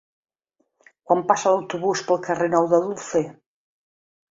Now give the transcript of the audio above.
Quan passa l'autobús pel carrer Nou de Dulce?